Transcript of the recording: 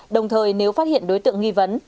đồng thời nếu phát hiện đối tượng nghi vấn